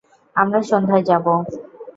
আমরা সন্ধ্যায় যাবো।